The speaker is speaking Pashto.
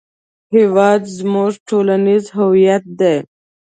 هېواد زموږ ټولنیز هویت دی